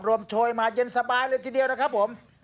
โชยมาเย็นสบายเลยทีเดียวนะครับผม